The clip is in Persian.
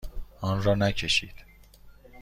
آن را نکشید.